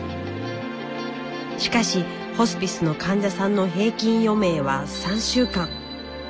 しかしホスピスの患者さんの平均余命は３週間。